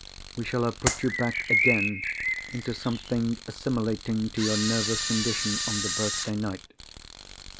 We shall have put you back again into something assimilating to your nervous condition on the birthday night.